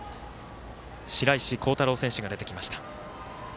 白石航太郎選手が出てきました。